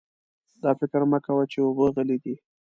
دا فکر مه کوه چې اوبه غلې دي.